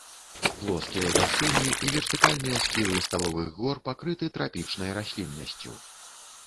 Плоскія вяршыні і вертыкальныя схілы сталовых гор пакрыты трапічнай расліннасцю.